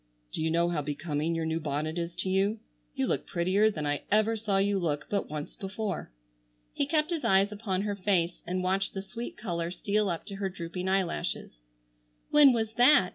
"Do you know how becoming your new bonnet is to you? You look prettier than I ever saw you look but once before." He kept his eyes upon her face and watched the sweet color steal up to her drooping eyelashes. "When was that?"